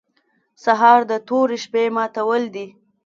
سهار د تورې شپې ماتول دي.